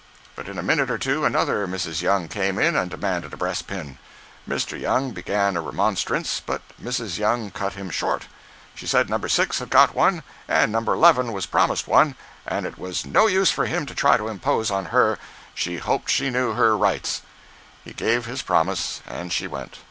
But in a minute or two another Mrs. Young came in and demanded a breast pin. Mr. Young began a remonstrance, but Mrs. Young cut him short. She said No. 6 had got one, and No. 11 was promised one, and it was "no use for him to try to impose on her—she hoped she knew her rights." He gave his promise, and she went.